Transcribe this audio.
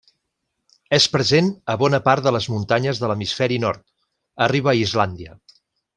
És present a bona part de les muntanyes de l'Hemisferi nord, arriba a Islàndia.